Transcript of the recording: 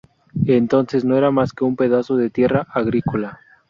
Entonces no era más que un pedazo de tierra agrícola.